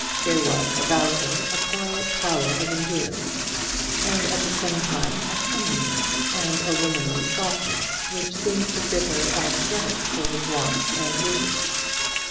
There was about her a quiet power of endurance, and at the same time a comeliness and a womanly softness which seemed to fit her altogether for his wants and wishes.